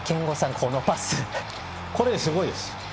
これ、すごいです。